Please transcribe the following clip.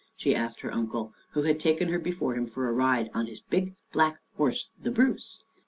she asked her uncle, who had taken her before him for a ride on his big, black horse, " The Bruce."